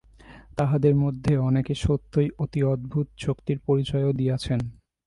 তাঁহাদের মধ্যে অনেকে সত্যই অতি অদ্ভুত শক্তির পরিচয়ও দিয়াছেন।